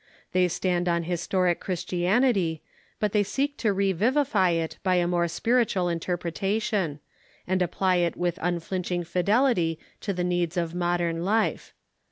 They stand on historic Christianity, but they seek to revivify it by a more s})iritual interpretation, and apply it witli unflinching fidelity to the needs of modern life.